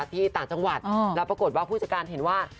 ต่างจังหวัดแล้วปรากฏว่าผู้จัดการเห็นว่า